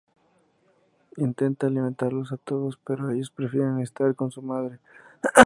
Intenta alimentarlos a todos pero ellos prefieren estar con su madre.